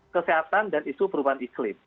kesehatan dan isu perubahan iklim